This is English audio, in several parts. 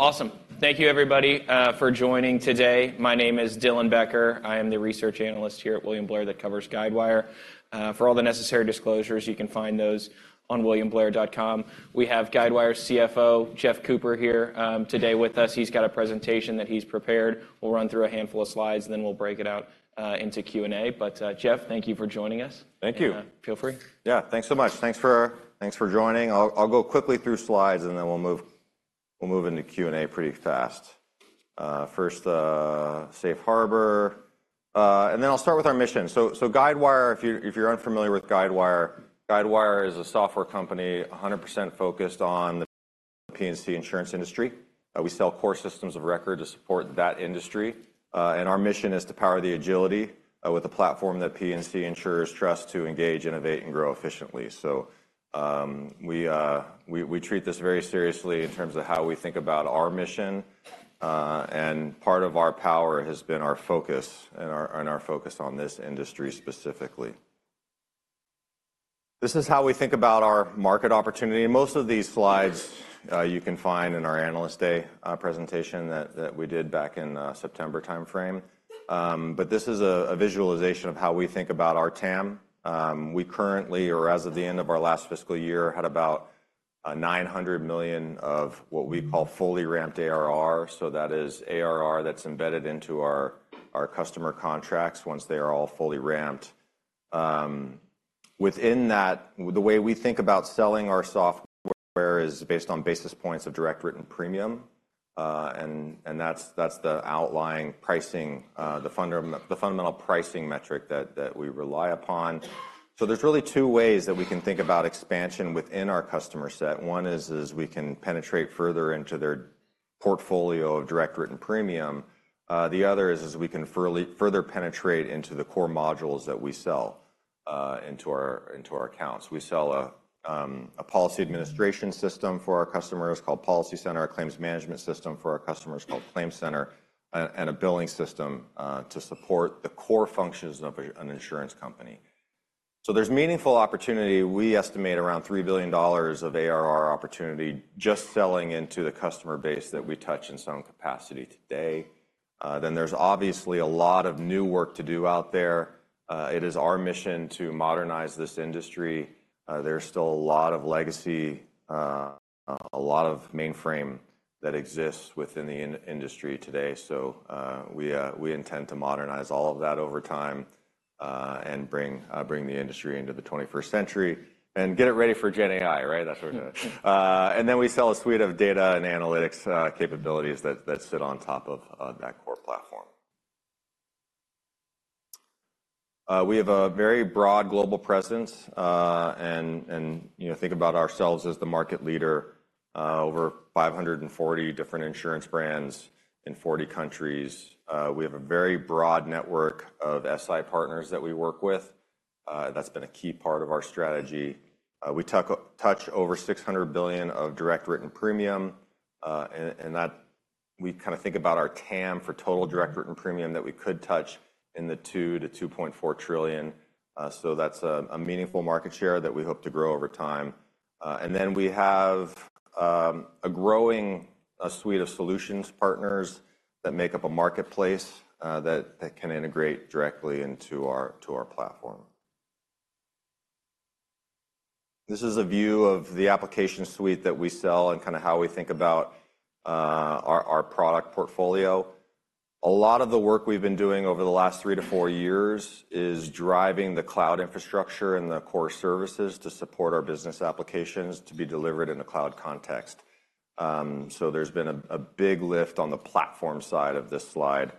Awesome! Thank you everybody, for joining today. My name is Dylan Becker. I am the Research analyst here at William Blair that covers Guidewire. For all the necessary disclosures, you can find those on williamblair.com. We have Guidewire's CFO, Jeff Cooper, here, today with us. He's got a presentation that he's prepared. We'll run through a handful of slides, and then we'll break it out, into Q&A. But, Jeff, thank you for joining us. Thank you. Feel free. Yeah, thanks so much. Thanks for joining. I'll go quickly through slides, and then we'll move into Q&A pretty fast. First, safe harbor, and then I'll start with our mission. So, Guidewire, if you're unfamiliar with Guidewire, Guidewire is a software company 100% focused on the P&C insurance industry. We sell core systems of record to support that industry, and our mission is to power the agility with a platform that P&C insurers trust to engage, innovate, and grow efficiently. So, we treat this very seriously in terms of how we think about our mission, and part of our power has been our focus and our focus on this industry specifically. This is how we think about our market opportunity, and most of these slides, you can find in our Analyst Day presentation that we did back in September timeframe. But this is a visualization of how we think about our TAM. We currently, or as of the end of our last fiscal year, had about $900 million of what we call fully ramped ARR, so that is ARR that's embedded into our customer contracts once they are all fully ramped. Within that, the way we think about selling our software is based on basis points of direct written premium, and that's the underlying pricing, the fundamental pricing metric that we rely upon. So there's really two ways that we can think about expansion within our customer set. One is, is we can penetrate further into their portfolio of direct written premium. The other is, is we can further penetrate into the core modules that we sell into our accounts. We sell a policy administration system for our customers called PolicyCenter, a claims management system for our customers called ClaimCenter, and a billing system to support the core functions of an insurance company. So there's meaningful opportunity. We estimate around $3 billion of ARR opportunity just selling into the customer base that we touch in some capacity today. Then there's obviously a lot of new work to do out there. It is our mission to modernize this industry. There's still a lot of legacy, a lot of mainframe that exists within the industry today, so we intend to modernize all of that over time, and bring the industry into the twenty-first century and get it ready for GenAI, right? That's what we're, and then we sell a suite of data and analytics capabilities that sit on top of that core platform. We have a very broad global presence, and, you know, think about ourselves as the market leader. Over 540 different insurance brands in 40 countries. We have a very broad network of SI partners that we work with. That's been a key part of our strategy. We touch over $600 billion of direct written premium, and that. We kind of think about our TAM for total direct written premium that we could touch in the $2 trillion-$2.4 trillion. So that's a meaningful market share that we hope to grow over time. And then we have a growing suite of solutions partners that make up a marketplace that can integrate directly into our to our platform. This is a view of the application suite that we sell and kind of how we think about our product portfolio. A lot of the work we've been doing over the last three to four years is driving the cloud infrastructure and the core services to support our business applications to be delivered in a cloud context. So there's been a big lift on the platform side of this slide.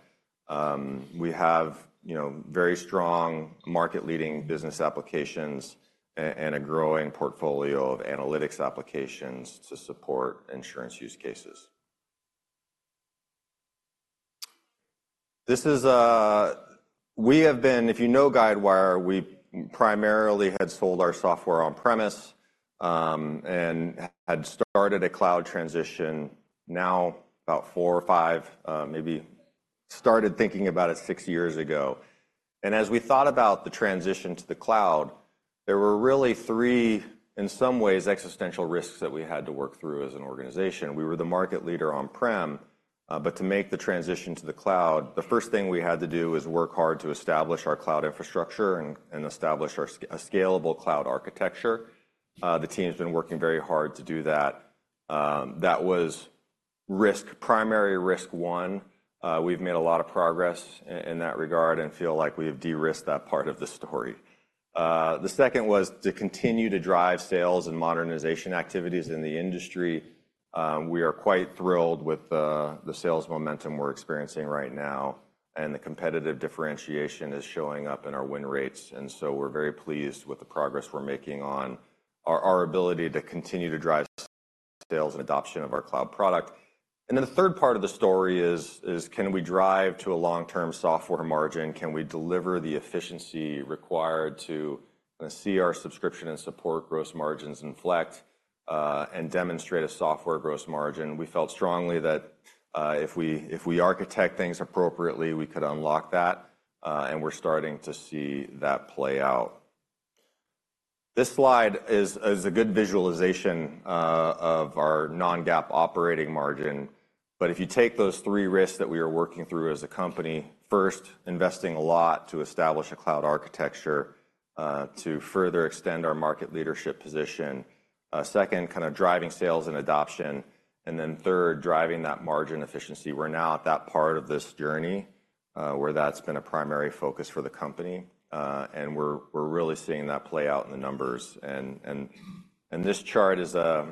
We have, you know, very strong market-leading business applications and a growing portfolio of analytics applications to support insurance use cases. This is. We have been, if you know Guidewire, we primarily had sold our software on-premise, and had started a cloud transition now about four or five maybe started thinking about it six years ago. As we thought about the transition to the cloud, there were really three, in some ways, existential risks that we had to work through as an organization. We were the market leader on-prem, but to make the transition to the cloud, the first thing we had to do was work hard to establish our cloud infrastructure and establish our scalable cloud architecture. The team's been working very hard to do that. That was risk, primary risk one. We've made a lot of progress in that regard and feel like we've de-risked that part of the story. The second was to continue to drive sales and modernization activities in the industry. We are quite thrilled with the sales momentum we're experiencing right now, and the competitive differentiation is showing up in our win rates, and so we're very pleased with the progress we're making on our ability to continue to drive sales and adoption of our cloud product. And then the third part of the story is, can we drive to a long-term software margin? Can we deliver the efficiency required to see our subscription and support gross margins inflect, and demonstrate a software gross margin? We felt strongly that, if we, if we architect things appropriately, we could unlock that, and we're starting to see that play out, this slide is a good visualization of our non-GAAP operating margin. But if you take those three risks that we are working through as a company, first, investing a lot to establish a cloud architecture, to further extend our market leadership position, second, kind of driving sales and adoption, and then third, driving that margin efficiency. We're now at that part of this journey, where that's been a primary focus for the company. And we're really seeing that play out in the numbers. And this chart is, I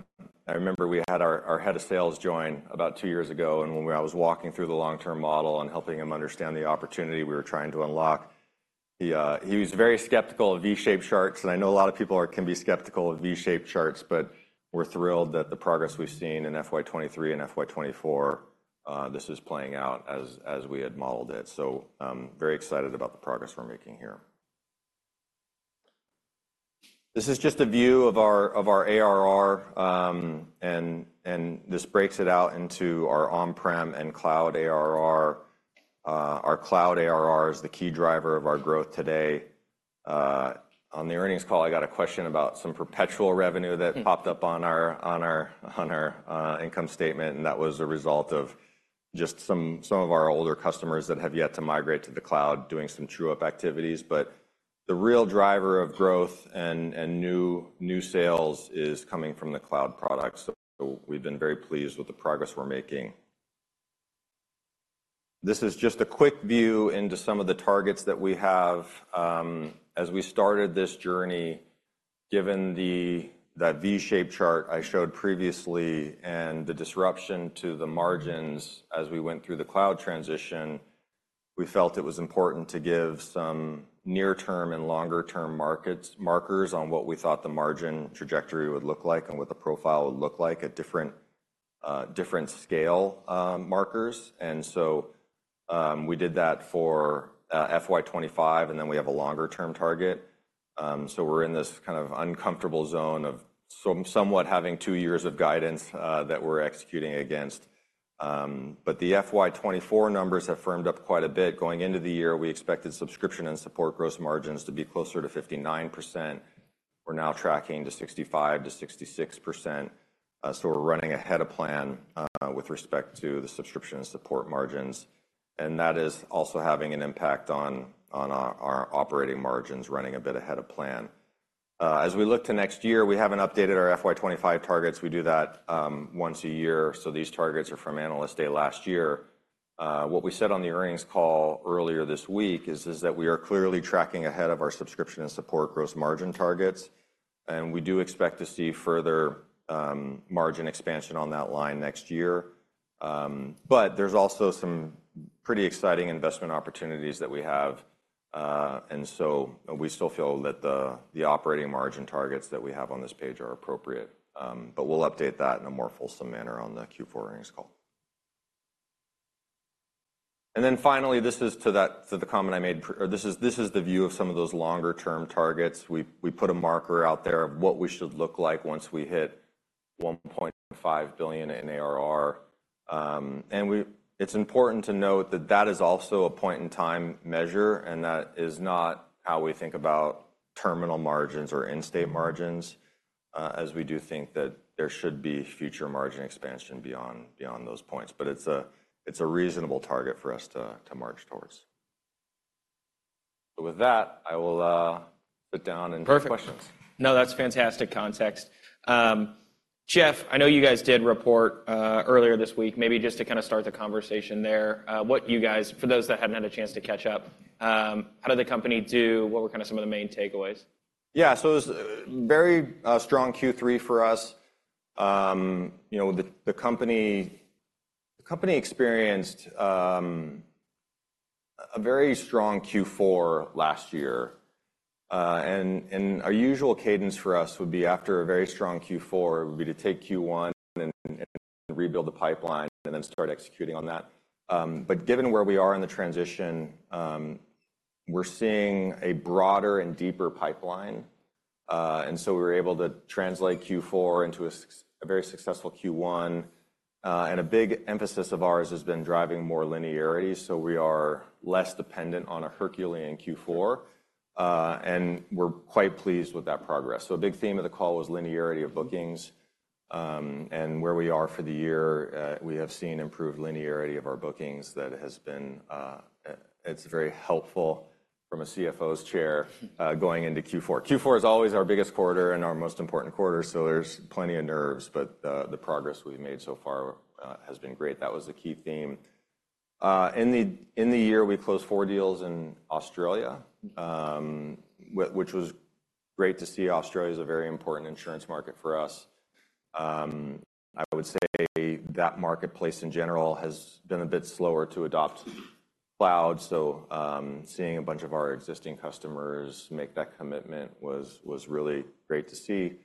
remember we had our head of sales join about two years ago, and when I was walking through the long-term model and helping him understand the opportunity we were trying to unlock, he was very skeptical of V-shaped charts, and I know a lot of people can be skeptical of V-shaped charts. But we're thrilled that the progress we've seen in FY 2023 and FY 2024, this is playing out as we had modeled it. So, I'm very excited about the progress we're making here. This is just a view of our ARR, and this breaks it out into our on-prem and cloud ARR. Our cloud ARR is the key driver of our growth today. On the earnings call, I got a question about some perpetual revenue that popped up on our income statement, and that was a result of just some of our older customers that have yet to migrate to the cloud, doing some true-up activities. But the real driver of growth and new sales is coming from the cloud products. So we've been very pleased with the progress we're making. This is just a quick view into some of the targets that we have. As we started this journey, given that V-shaped chart I showed previously and the disruption to the margins as we went through the cloud transition, we felt it was important to give some near-term and longer-term markers on what we thought the margin trajectory would look like and what the profile would look like at different scale markers. We did that for FY 2025, and then we have a longer-term target. So we're in this kind of uncomfortable zone of somewhat having two years of guidance that we're executing against. But the FY 2024 numbers have firmed up quite a bit. Going into the year, we expected subscription and support gross margins to be closer to 59%. We're now tracking to 65%-66%. So we're running ahead of plan with respect to the subscription and support margins, and that is also having an impact on our operating margins, running a bit ahead of plan. As we look to next year, we haven't updated our FY 2025 targets. We do that once a year. So these targets are from Analyst Day last year. What we said on the earnings call earlier this week is, is that we are clearly tracking ahead of our subscription and support gross margin targets, and we do expect to see further margin expansion on that line next year. But there's also some pretty exciting investment opportunities that we have. And so we still feel that the operating margin targets that we have on this page are appropriate. But we'll update that in a more fulsome manner on the Q4 earnings call. And then finally, this is to that to the comment I made. This is the view of some of those longer-term targets. We put a marker out there of what we should look like once we hit $1.5 billion in ARR. And it's important to note that that is also a point-in-time measure, and that is not how we think about terminal margins or end-state margins, as we do think that there should be future margin expansion beyond, beyond those points. But it's a reasonable target for us to march towards. So with that, I will sit down and take questions. No, that's fantastic context. Jeff, I know you guys did report earlier this week. Maybe just to kind of start the conversation there, what you guys, for those that haven't had a chance to catch up, how did the company do? What were kind of some of the main takeaways? Yeah, so it was a very strong Q3 for us. You know, the company experienced a very strong Q4 last year. And our usual cadence for us would be after a very strong Q4, would be to take Q1 and rebuild the pipeline and then start executing on that. But given where we are in the transition, we're seeing a broader and deeper pipeline. And so we were able to translate Q4 into a very successful Q1. And a big emphasis of ours has been driving more linearity, so we are less dependent on a Herculean Q4, and we're quite pleased with that progress. So a big theme of the call was linearity of bookings, and where we are for the year. We have seen improved linearity of our bookings that has been, it's very helpful from a CFO's chair... going into Q4. Q4 is always our biggest quarter and our most important quarter, so there's plenty of nerves, but the progress we've made so far has been great. That was the key theme. In the year, we closed four deals in Australia, which was great to see. Australia is a very important insurance market for us. I would say that marketplace, in general, has been a bit slower to adopt cloud. So, seeing a bunch of our existing customers make that commitment was really great to see.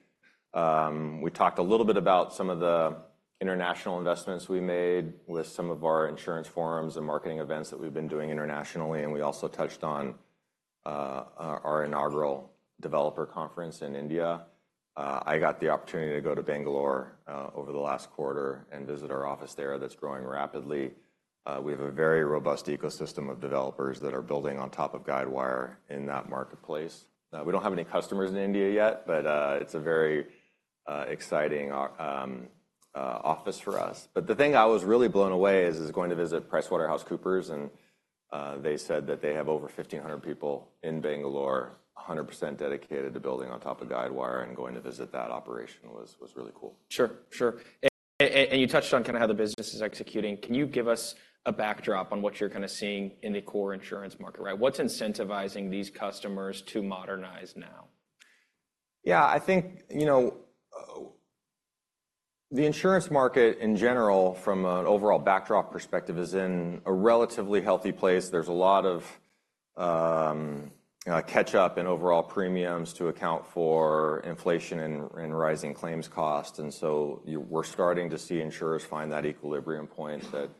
We talked a little bit about some of the international investments we made with some of our insurance forums and marketing events that we've been doing internationally, and we also touched on our inaugural developer conference in India. I got the opportunity to go to Bangalore over the last quarter and visit our office there that's growing rapidly. We have a very robust ecosystem of developers that are building on top of Guidewire in that marketplace. We don't have any customers in India yet, but it's a very exciting office for us. But the thing I was really blown away is going to visit PricewaterhouseCoopers, and they said that they have over 1,500 people in Bangalore, 100% dedicated to building on top of Guidewire, and going to visit that operation was really cool. Sure, sure. And you touched on kind of how the business is executing. Can you give us a backdrop on what you're kind of seeing in the core insurance market, right? What's incentivizing these customers to modernize now? Yeah, I think, you know, the insurance market in general, from an overall backdrop perspective, is in a relatively healthy place. There's a lot of catch-up in overall premiums to account for inflation and rising claims costs. And so we're starting to see insurers find that equilibrium point that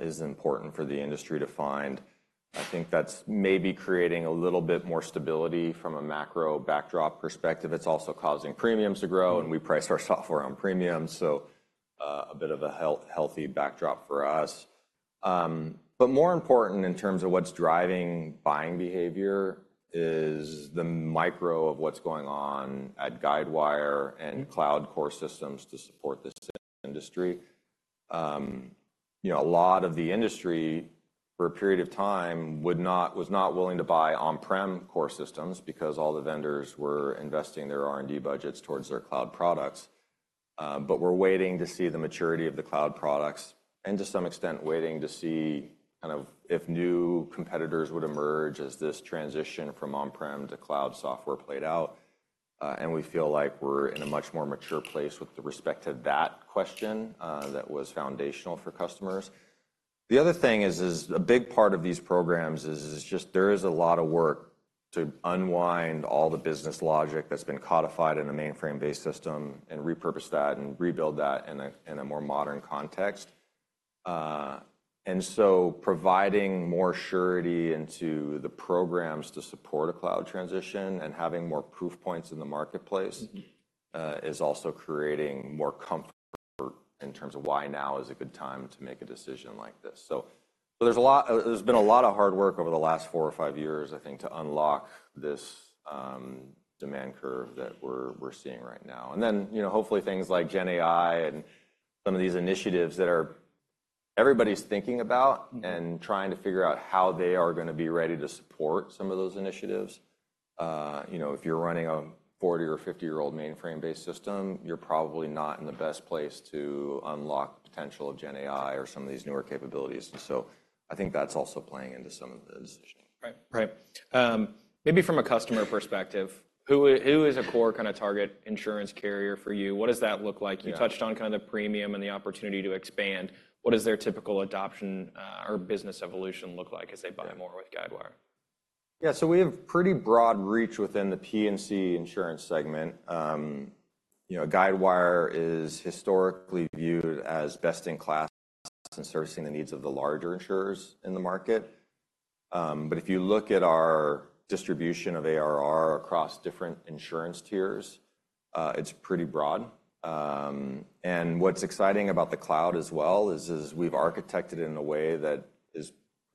is important for the industry to find. I think that's maybe creating a little bit more stability from a macro backdrop perspective. It's also causing premiums to grow, and we price our software on premiums, so a bit of a healthy backdrop for us. But more important in terms of what's driving buying behavior is the micro of what's going on at Guidewire and cloud core systems to support this industry. You know, a lot of the industry, for a period of time, would not, was not willing to buy on-prem core systems because all the vendors were investing their R&D budgets towards their cloud products. But we're waiting to see the maturity of the cloud products and, to some extent, waiting to see kind of if new competitors would emerge as this transition from on-prem to cloud software played out. And we feel like we're in a much more mature place with respect to that question, that was foundational for customers. The other thing is, is a big part of these programs is, is just there is a lot of work to unwind all the business logic that's been codified in a mainframe-based system and repurpose that and rebuild that in a, in a more modern context. providing more surety into the programs to support a cloud transition and having more proof points in the marketplace is also creating more comfort in terms of why now is a good time to make a decision like this. So, so there's a lot, there's been a lot of hard work over the last four or five years, I think, to unlock this, demand curve that we're, we're seeing right now. And then, you know, hopefully things like GenAI and some of these initiatives that are, everybody's thinking about and trying to figure out how they are gonna be ready to support some of those initiatives. You know, if you're running a 40- or 50-year-old mainframe-based system, you're probably not in the best place to unlock the potential of GenAI or some of these newer capabilities. And so I think that's also playing into some of the decision. Right. Right. Maybe from a customer perspective, who is a core kind of target insurance carrier for you? What does that look like? Yeah. You touched on kind of the premium and the opportunity to expand. What does their typical adoption, or business evolution look like as they buy more with Guidewire? Yeah, so we have pretty broad reach within the P&C insurance segment. You know, Guidewire is historically viewed as best-in-class in servicing the needs of the larger insurers in the market. But if you look at our distribution of ARR across different insurance tiers, it's pretty broad. And what's exciting about the cloud as well is we've architected it in a way that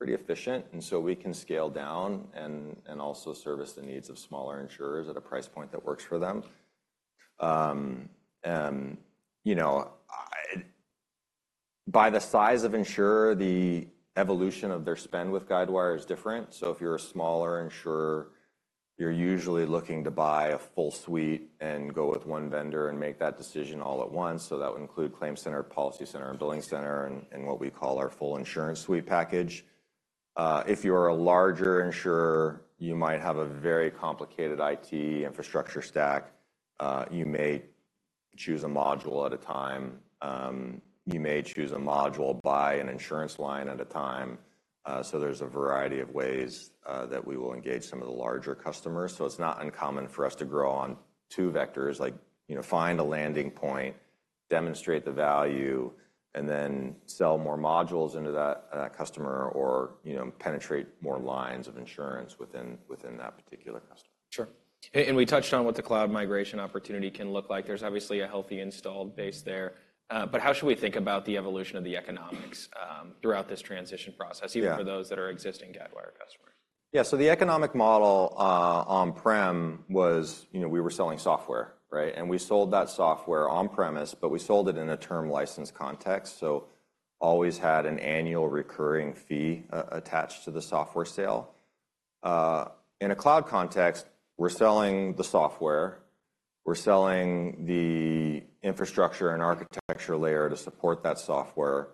is pretty efficient, and so we can scale down and also service the needs of smaller insurers at a price point that works for them. You know, by the size of insurer, the evolution of their spend with Guidewire is different. So if you're a smaller insurer, you're usually looking to buy a full suite and go with one vendor and make that decision all at once. So that would include ClaimCenter, PolicyCenter, and BillingCenter, and what we call our full InsuranceSuite package. If you are a larger insurer, you might have a very complicated IT infrastructure stack. You may choose a module at a time. You may choose a module by an insurance line at a time. So there's a variety of ways that we will engage some of the larger customers. So it's not uncommon for us to grow on two vectors, like, you know, find a landing point, demonstrate the value, and then sell more modules into that customer or, you know, penetrate more lines of insurance within that particular customer. Sure. And we touched on what the cloud migration opportunity can look like. There's obviously a healthy installed base there, but how should we think about the evolution of the economics throughout this transition process even for those that are existing Guidewire customers? Yeah, so the economic model, on-prem was, you know, we were selling software, right? And we sold that software on-premise, but we sold it in a term license context, so always had an annual recurring fee attached to the software sale. In a cloud context, we're selling the software, we're selling the infrastructure and architecture layer to support that software,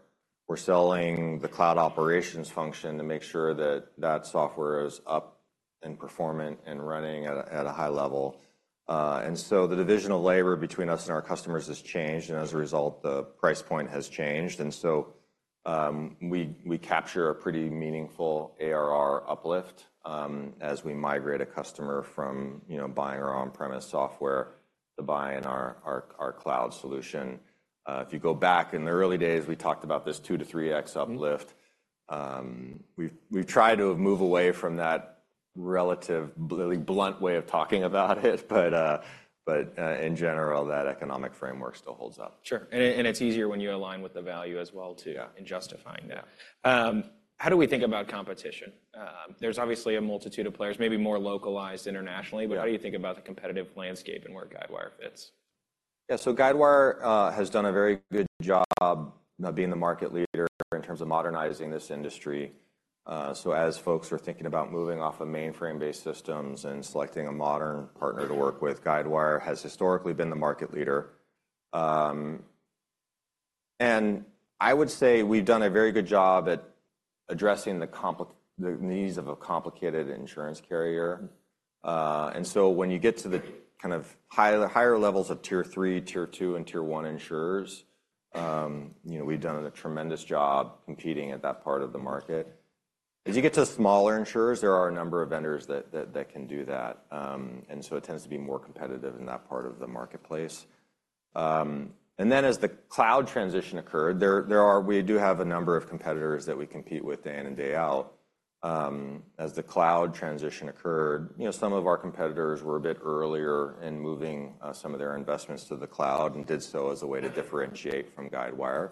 we're selling the cloud operations function to make sure that that software is up and performant and running at a high level. And so the division of labor between us and our customers has changed, and as a result, the price point has changed. And so, we capture a pretty meaningful ARR uplift, as we migrate a customer from, you know, buying our on-premise software to buying our cloud solution. If you go back in the early days, we talked about this 2x-3x uplift. We've tried to move away from that relative, really blunt way of talking about it, but in general, that economic framework still holds up. Sure. And it's easier when you align with the value as well, too in justifying that. Yeah. How do we think about competition? There's obviously a multitude of players, maybe more localized internationally but how do you think about the competitive landscape and where Guidewire fits? Yeah, so Guidewire has done a very good job of being the market leader in terms of modernizing this industry. So as folks are thinking about moving off of mainframe-based systems and selecting a modern partner to work with, Guidewire has historically been the market leader. And I would say we've done a very good job at addressing the needs of a complicated insurance carrier. And so when you get to the kind of higher levels of Tier 3, Tier 2, and Tier 1 insurers, you know, we've done a tremendous job competing at that part of the market. As you get to smaller insurers, there are a number of vendors that can do that, and so it tends to be more competitive in that part of the marketplace. And then, as the cloud transition occurred, we do have a number of competitors that we compete with day in and day out. As the cloud transition occurred, you know, some of our competitors were a bit earlier in moving some of their investments to the cloud and did so as a way to differentiate from Guidewire.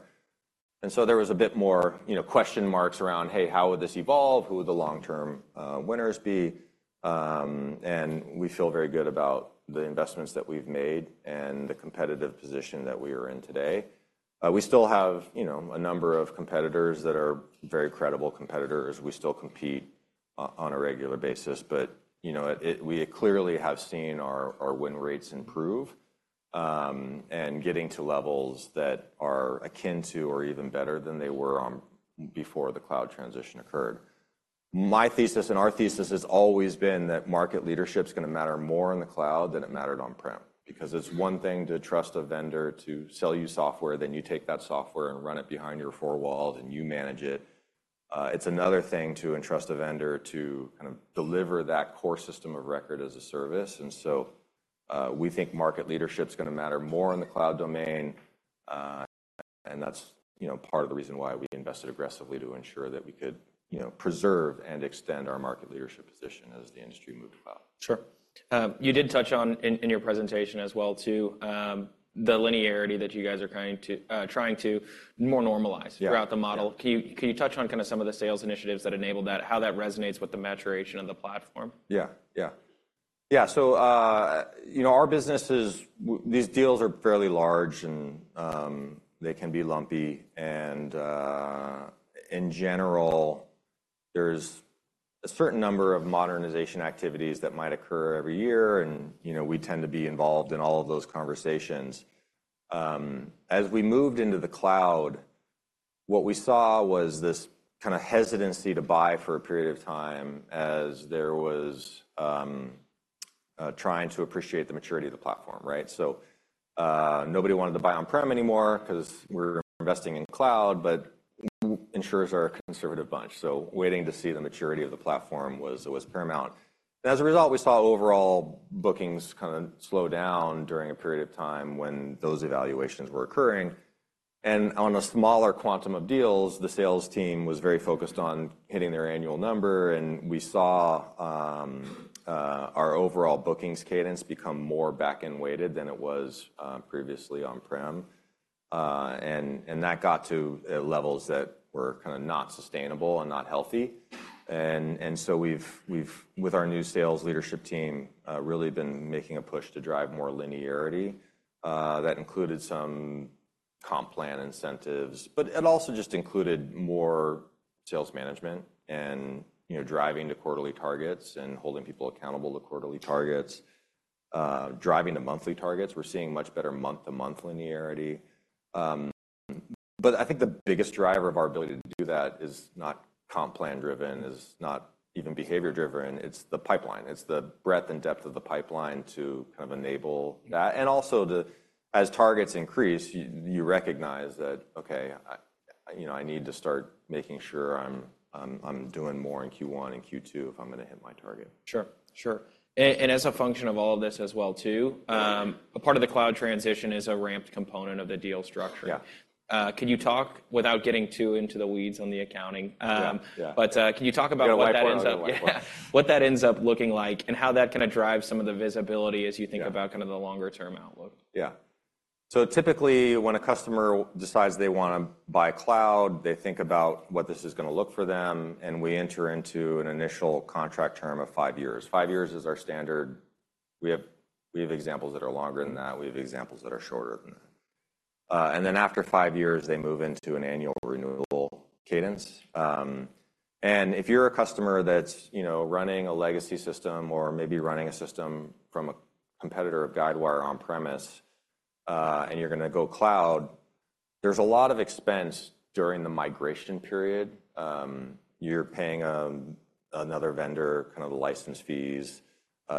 And so there was a bit more, you know, question marks around: Hey, how would this evolve? Who would the long-term winners be? And we feel very good about the investments that we've made and the competitive position that we are in today. We still have, you know, a number of competitors that are very credible competitors. We still compete on a regular basis, but, you know, it, we clearly have seen our win rates improve, and getting to levels that are akin to or even better than they were, before the cloud transition occurred. My thesis and our thesis has always been that market leadership's gonna matter more in the cloud than it mattered on-prem. Because it's one thing to trust a vendor to sell you software, then you take that software and run it behind your four walls, and you manage it. It's another thing to entrust a vendor to kind of deliver that core system of record as a service, and so, we think market leadership's gonna matter more in the cloud domain. That's, you know, part of the reason why we invested aggressively to ensure that we could, you know, preserve and extend our market leadership position as the industry moved to cloud. Sure. You did touch on, in your presentation as well, too, the linearity that you guys are trying to more normalize throughout the model. Yeah. Can you touch on kind of some of the sales initiatives that enabled that, how that resonates with the maturation of the platform? Yeah, yeah. Yeah, so, you know, our business is these deals are fairly large, and, they can be lumpy. And, in general, there's a certain number of modernization activities that might occur every year, and, you know, we tend to be involved in all of those conversations. As we moved into the cloud, what we saw was this kind of hesitancy to buy for a period of time as there was, trying to appreciate the maturity of the platform, right? So, nobody wanted to buy on-prem anymore 'cause we're investing in cloud, but insurers are a conservative bunch, so waiting to see the maturity of the platform was, was paramount. And as a result, we saw overall bookings kind of slow down during a period of time when those evaluations were occurring. On a smaller quantum of deals, the sales team was very focused on hitting their annual number, and we saw our overall bookings cadence become more back-end weighted than it was previously on-prem. And that got to levels that were kind of not sustainable and not healthy. And so we've, with our new sales leadership team, really been making a push to drive more linearity. That included some comp plan incentives, but it also just included more sales management and, you know, driving to quarterly targets and holding people accountable to quarterly targets. Driving to monthly targets, we're seeing much better month-to-month linearity. But I think the biggest driver of our ability to do that is not comp plan driven, is not even behavior driven. It's the pipeline. It's the breadth and depth of the pipeline to kind of enable that. Yeah. And also, as targets increase, you recognize that, "Okay, you know, I need to start making sure I'm doing more in Q1 and Q2 if I'm gonna hit my target. Sure, sure. And as a function of all of this as well, too, a part of the cloud transition is a ramped component of the deal structure. Yeah. Can you talk without getting too into the weeds on the accounting? Yeah, yeah. But, can you talk about what that ends up. You got a whiteboard over there? Yeah. What that ends up looking like and how that kind of drives some of the visibility as you think about kind of the longer term outlook? Yeah. So typically, when a customer decides they want to buy cloud, they think about what this is gonna look for them, and we enter into an initial contract term of five years. Five years is our standard. We have examples that are longer than that; we have examples that are shorter than that. And then, after five years, they move into an annual renewable cadence. And if you're a customer that's, you know, running a legacy system or maybe running a system from a competitor of Guidewire on-premise, and you're gonna go cloud, there's a lot of expense during the migration period. You're paying another vendor kind of the license fees.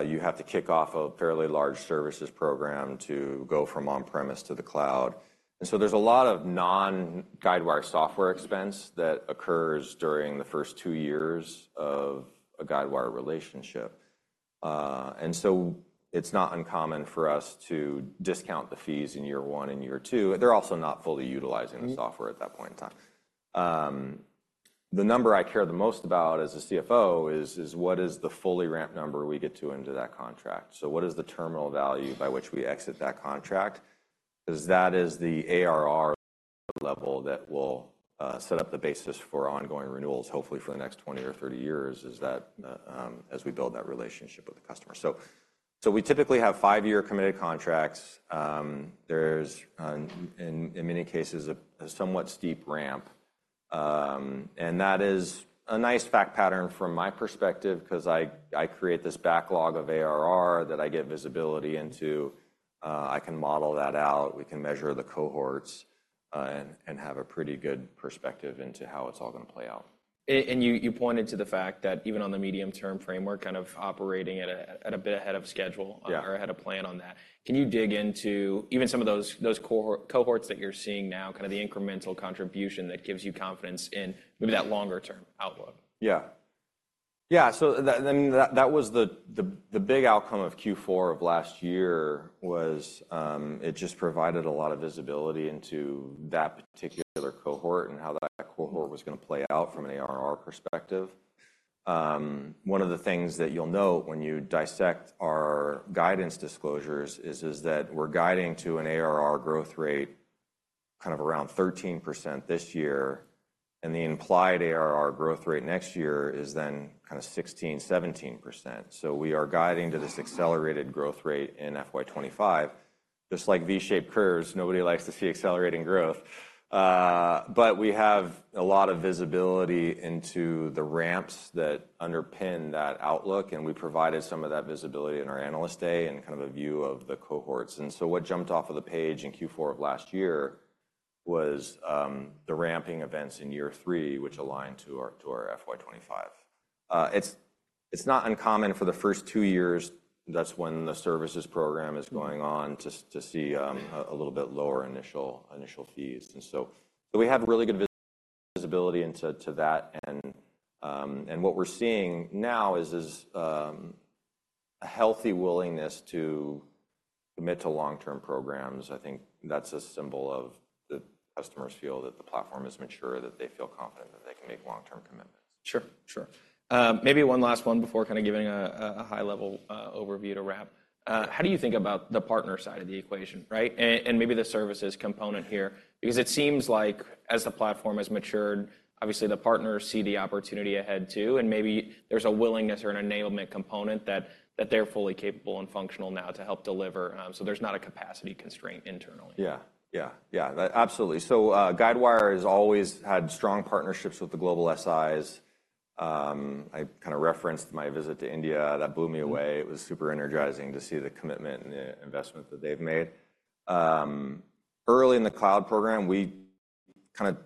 You have to kick off a fairly large services program to go from on-premise to the cloud. And so there's a lot of non-Guidewire software expense that occurs during the first two years of a Guidewire relationship and so it's not uncommon for us to discount the fees in year one and year two. They're also not fully utilizing the software at that point in time. The number I care the most about as a CFO is what is the fully ramped number we get to into that contract? So what is the terminal value by which we exit that contract? 'Cause that is the ARR level that will set up the basis for ongoing renewals, hopefully for the next 20 or 30 years, is that, as we build that relationship with the customer. So we typically have five-year committed contracts. There's in many cases a somewhat steep ramp. And that is a nice fact pattern from my perspective 'cause I create this backlog of ARR that I get visibility into. I can model that out, we can measure the cohorts, and have a pretty good perspective into how it's all gonna play out. And you, you pointed to the fact that even on the medium-term framework, kind of operating at a bit ahead of schedule or ahead of plan on that. Can you dig into even some of those cohorts that you're seeing now, kind of the incremental contribution that gives you confidence in maybe that longer-term outlook? Yeah. Yeah, so that and that was the big outcome of Q4 of last year. It just provided a lot of visibility into that particular cohort and how that cohort was gonna play out from an ARR perspective. One of the things that you'll note when you dissect our guidance disclosures is that we're guiding to an ARR growth rate kind of around 13% this year, and the implied ARR growth rate next year is then kind of 16%-17%. So we are guiding to this accelerated growth rate in FY 2025. Just like V-shaped curves, nobody likes to see accelerating growth. But we have a lot of visibility into the ramps that underpin that outlook, and we provided some of that visibility in our Analyst Day and kind of a view of the cohorts. So what jumped off of the page in Q4 of last year was the ramping events in year three, which aligned to our FY 2025. It's not uncommon for the first two years, that's when the services program is going on, to see a little bit lower initial fees. So we have really good visibility into that, and what we're seeing now is a healthy willingness to commit to long-term programs. I think that's a symbol of the customers feel that the platform is mature, that they feel confident that they can make long-term commitments. Sure, sure. Maybe one last one before kind of giving a high-level overview to wrap. How do you think about the partner side of the equation, right? And maybe the services component here. Because it seems like as the platform has matured, obviously the partners see the opportunity ahead, too, and maybe there's a willingness or an enablement component that they're fully capable and functional now to help deliver, so there's not a capacity constraint internally. Yeah. Yeah, yeah. That absolutely. So, Guidewire has always had strong partnerships with the global SIs. I kind of referenced my visit to India. That blew me away. It was super energizing to see the commitment and the investment that they've made. Early in the cloud program, we kind of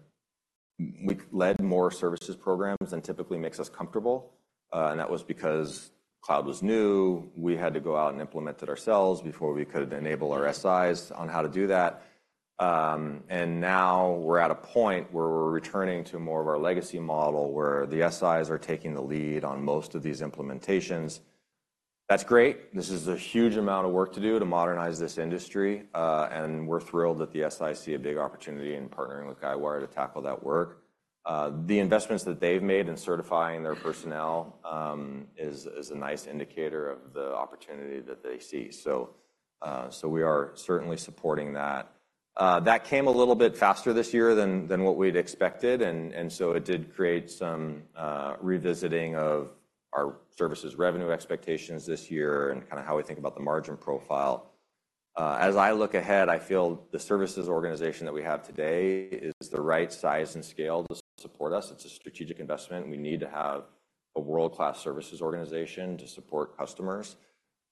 led more services programs than typically makes us comfortable, and that was because cloud was new. We had to go out and implement it ourselves before we could enable our SIs on how to do that. Now we're at a point where we're returning to more of our legacy model, where the SIs are taking the lead on most of these implementations. That's great. This is a huge amount of work to do to modernize this industry, and we're thrilled that the SIs see a big opportunity in partnering with Guidewire to tackle that work. The investments that they've made in certifying their personnel is a nice indicator of the opportunity that they see, so we are certainly supporting that. That came a little bit faster this year than what we'd expected, and so it did create some revisiting of our services revenue expectations this year and kind of how we think about the margin profile. As I look ahead, I feel the services organization that we have today is the right size and scale to support us. It's a strategic investment. We need to have a world-class services organization to support customers.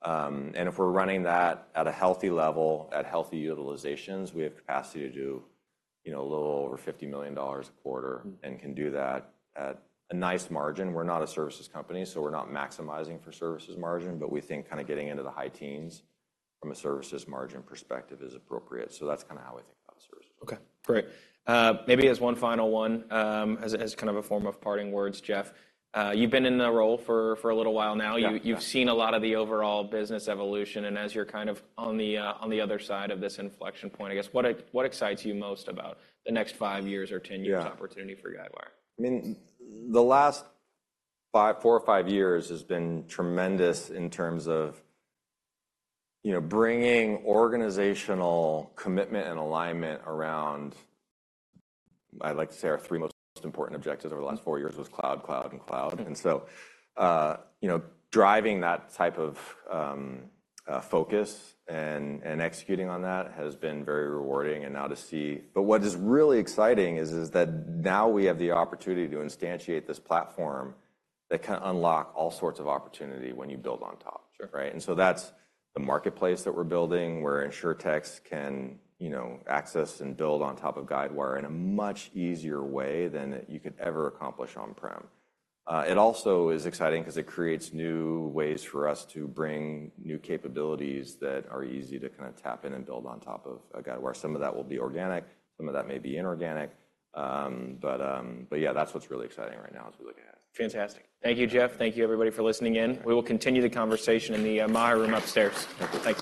And if we're running that at a healthy level, at healthy utilizations, we have capacity to do, you know, a little over $50 million a quarter and can do that at a nice margin. We're not a services company, so we're not maximizing for services margin, but we think kind of getting into the high teens from a services margin perspective is appropriate. So that's kind of how I think about services. Okay, great. Maybe as one final one, as kind of a form of parting words, Jeff, you've been in the role for a little while now. Yeah, yeah. You've seen a lot of the overall business evolution, and as you're kind of on the other side of this inflection point, I guess, what excites you most about the next fix years or 10 years? Yeah Opportunity for Guidewire? I mean, the last five, four or five years has been tremendous in terms of, you know, bringing organizational commitment and alignment around, I'd like to say, our three most important objectives over the last four years was cloud, cloud, and cloud. So, you know, driving that type of focus and executing on that has been very rewarding, and now to see... But what is really exciting is that now we have the opportunity to instantiate this platform that can unlock all sorts of opportunity when you build on top. Sure. Right? And so that's the marketplace that we're building, where insurtechs can, you know, access and build on top of Guidewire in a much easier way than you could ever accomplish on-prem. It also is exciting 'cause it creates new ways for us to bring new capabilities that are easy to kind of tap in and build on top of at Guidewire. Some of that will be organic, some of that may be inorganic. But yeah, that's what's really exciting right now as we look ahead. Fantastic. Thank you, Jeff. Thank you, everybody, for listening in. We will continue the conversation in the Mayer room upstairs. Thank you.